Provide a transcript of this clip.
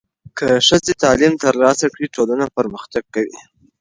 که ښځې تعلیم ترلاسه کړي، ټولنه پرمختګ کوي.